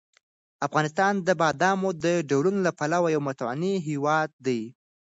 افغانستان د بادامو د ډولونو له پلوه یو متنوع هېواد دی.